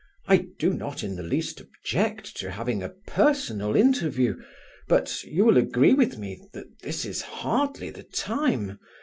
I do not in the least object to having a personal interview... but you will agree with me that this is hardly the time...